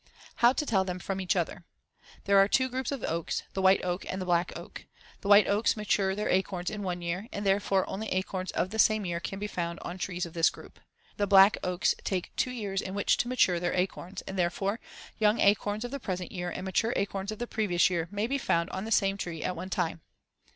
How to tell them from each other: There are two groups of oaks, the white oak and the black oak. The white oaks mature their acorns in one year and, therefore, only acorns of the same year can be found on trees of this group. The black oaks take two years in which to mature their acorns and, therefore, young acorns of the present year and mature acorns of the previous year may be found on the same tree at one time.